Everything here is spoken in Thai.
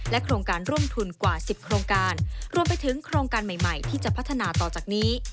โครงการร่วมทุนกว่า๑๐โครงการรวมไปถึงโครงการใหม่ที่จะพัฒนาต่อจากนี้